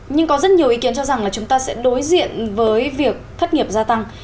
nhưng có rất nhiều ý kiến cho rằng là chúng ta sẽ đối diện với việc thất nghiệp gia tăng